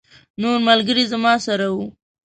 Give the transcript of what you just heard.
نور ملګري زما سره وو.